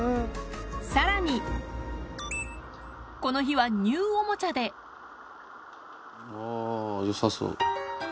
さらにこの日はニューおもちゃであぁよさそう。